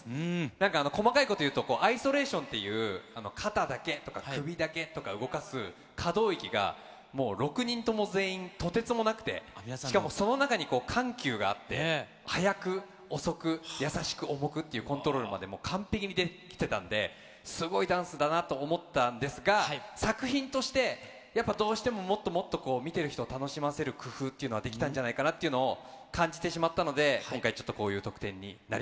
なんか、細かいこと言うと、アイソレーションっていう、肩だけとか、首だけとか動かす可動域が、もう６人とも全員、とてつもなくて、しかもその中に、緩急があって、速く、遅く、優しく、重くっていうコントロールまで完璧にできてたんで、すごいダンスだなと思ったんですが、作品として、やっぱどうしてももっともっとこう、見てる人を楽しませる工夫っていうのができたんじゃないかなっていうのを感じてしまったので、今回、ちょっとこういう得点にな